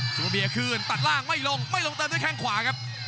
ตัวเบียร์คืนตัดล่างไม่ลงไม่ลงเติมด้วยแข้งขวาครับ